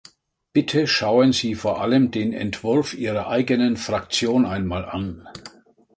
Bitte schauen Sie vor allem den Entwurf Ihrer eigenen Fraktion einmal an.